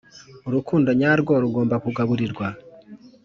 Urukundo nyarwo rugomba kugaburirwa?